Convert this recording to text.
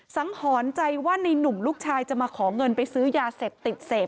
หอนใจว่าในหนุ่มลูกชายจะมาขอเงินไปซื้อยาเสพติดเสพ